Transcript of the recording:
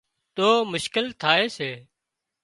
تو مشڪل ٿائي سي